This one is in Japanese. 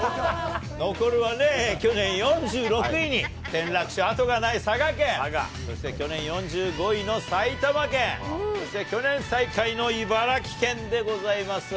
残るはね、去年４６位に転落して後がない佐賀県、そして去年４５位の埼玉県、そして去年最下位の茨城県でございます。